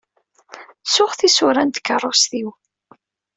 Ttuɣ tisura n tkerrust-iw.